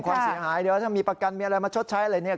ความเสียหายเดี๋ยวถ้ามีประกันมีอะไรมาชดใช้อะไรเนี่ย